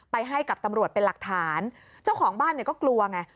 ให้กับตำรวจเป็นหลักฐานเจ้าของบ้านเนี่ยก็กลัวไง